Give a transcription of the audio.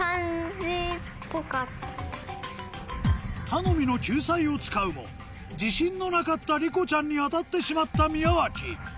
頼みの救済を使うも自信のなかったりこちゃんに当たってしまった宮脇